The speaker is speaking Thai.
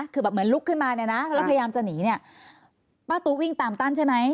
คือแบบเหมือนลุกขึ้นมาเนี่ยนะแล้วพยายามจะหนีเนี่ยป้าตู้วิ่งตามตั้นใช่ไหม